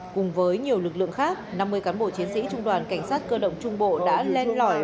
cùng với nhiều lực lượng khác năm mươi cán bộ chiến sĩ trung đoàn cảnh sát cơ động trung bộ đã lên lõi